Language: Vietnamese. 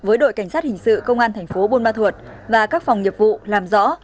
với đội cảnh sát hình sự công an thành phố buôn ma thuột và các phòng nghiệp vụ làm rõ